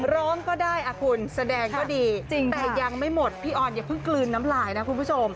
ร้องก็ได้อ่ะคุณแสดงก็ดีแต่ยังไม่หมดพี่ออนอย่าเพิ่งกลืนน้ำลายนะคุณผู้ชม